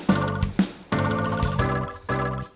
selamat siang pak